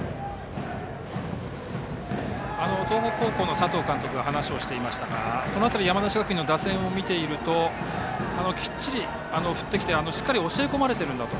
東北高校の佐藤監督が話をしていましたがその辺り山梨学院の打線を見ているときっちり振ってきてしっかり教え込まれているんだと。